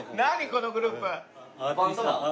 このグループ。